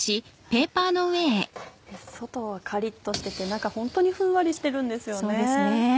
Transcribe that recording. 外はカリっとしてて中ホントにふんわりしてるんですよね。